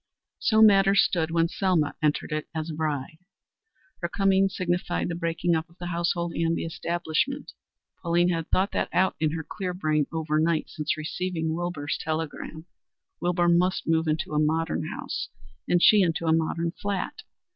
So matters stood when Selma entered it as a bride. Her coming signified the breaking up of the household and the establishment. Pauline had thought that out in her clear brain over night since receiving Wilbur's telegram. Wilbur must move into a modern house, and she into a modern flat.